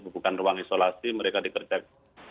bukan ruang isolasi mereka dikerjakan